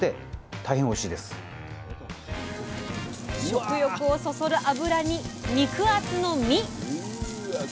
食欲をそそる脂に肉厚の身。